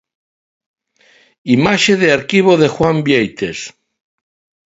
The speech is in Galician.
Imaxe de arquivo de Juan Vieites.